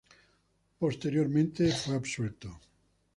Posteriormente fue absuelto.